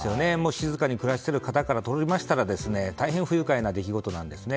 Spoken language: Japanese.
静かに暮らしている方からとりましたら大変不愉快な出来事なんですね。